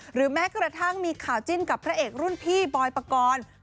แม้กระทั่งมีข่าวจิ้นกับพระเอกรุ่นพี่บอยปกรณ์